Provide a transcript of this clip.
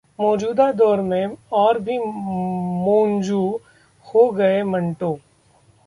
मौजूदा दौर में और भी मौजूं हो गए मंटो